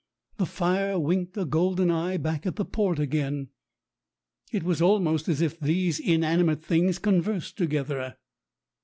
The fire winked a golden eye back at the port again. It was almost as if these inanimate things conversed together.